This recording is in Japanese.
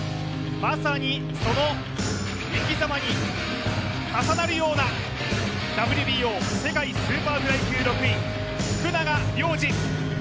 まさにその生き様に重なるようなＷＢＯ世界スーパーフライ級６位、福永亮次。